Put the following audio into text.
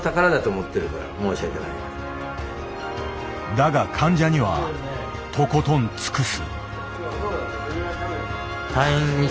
だが患者にはとことん尽くす。